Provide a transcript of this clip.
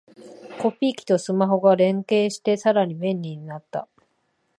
コピー機とスマホが連携してさらに便利になった